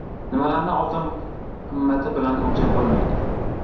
Nimalarni oltin qimmati bilan o‘lchab bo‘lmaydi.